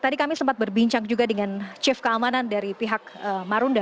tadi kami sempat berbincang juga dengan chef keamanan dari pihak marunda